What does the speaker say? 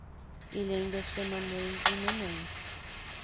Ele ainda chama a mãe de "mamãe".